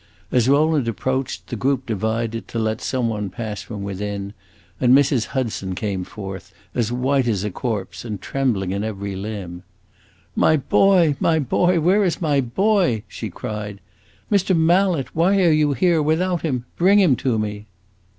As Rowland approached, the group divided, to let some one pass from within, and Mrs. Hudson came forth, as white as a corpse and trembling in every limb. "My boy, my boy, where is my boy?" she cried. "Mr. Mallet, why are you here without him? Bring him to me!"